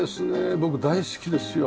僕大好きですよ。